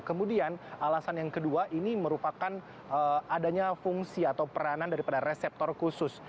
kemudian alasan yang kedua ini merupakan adanya fungsi atau peranan daripada reseptor khusus